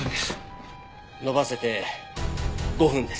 延ばせて５分です。